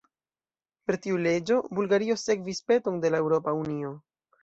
Per tiu leĝo Bulgario sekvis peton de la Eŭropa Unio.